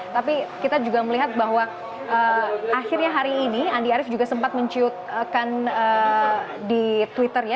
tapi kita juga melihat bahwa akhirnya hari ini andi arief juga sempat menciutkan di twitternya